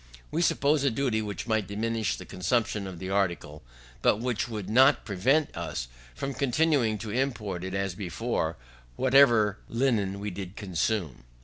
We suppose a duty which might diminish the consumption of the article, but which would not prevent us from continuing to import, as before, whatever linen we did consume.